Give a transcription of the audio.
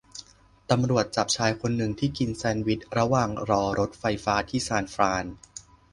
ตำรวจจับชายคนหนึ่งที่กินแชนด์วิชระหว่างรอรถไฟฟ้าที่ซานฟราน